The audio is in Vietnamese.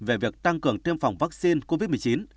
về việc tăng cường tiêm phòng vaccine covid một mươi chín